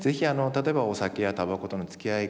例えばお酒やたばことのつきあい方